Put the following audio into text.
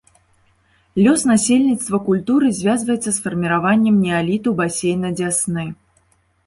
Лёс насельніцтва культуры звязваецца з фарміраваннем неаліту басейна дзясны.